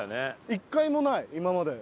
一回もない今まで。